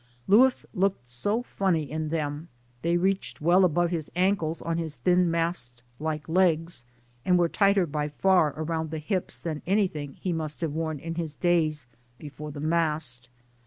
Louis looked so funny in them; they reached well above his ankles on his thin mast like legs and were tighter by far around the hips than anything he must have worn in his days before the mast.